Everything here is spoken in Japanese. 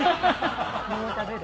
桃食べる。